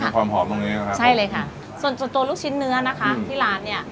ความหอมตรงนี้นะครับใช่เลยค่ะส่วนส่วนตัวลูกชิ้นเนื้อนะคะที่ร้านเนี้ย